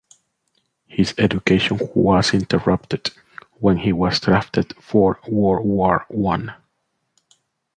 His education was interrupted when he was drafted for World War One.